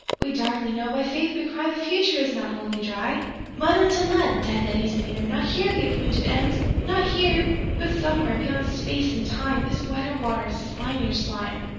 13We darkly know, by Faith we cry,14The future is not Wholly Dry.15Mud unto mud! Death eddies near 16Not here the appointed End, not here!17But somewhere, beyond Space and Time.18Is wetter water, slimier slime!